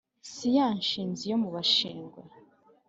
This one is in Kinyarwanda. si ya nshinzi yo mu bashingwe